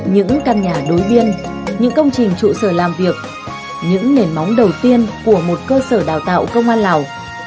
những căn nhà đối biên những công trình trụ sở làm việc những nền móng đầu tiên của một cơ sở đào tạo công an lào